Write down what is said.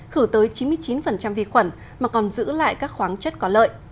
khử tới chín mươi chín vi khuẩn mà còn giữ lại các khoáng chất có lợi